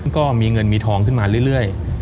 ก็มีเงินมีทองขึ้นมาเรื่อย